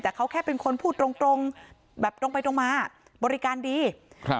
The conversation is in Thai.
แต่เขาแค่เป็นคนพูดตรงตรงแบบตรงไปตรงมาบริการดีครับ